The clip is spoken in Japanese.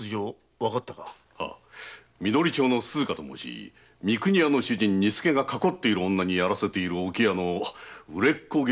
緑町の鈴華と申し三国屋の主人が囲っている女にやらせている置き屋の売れっ子芸者です。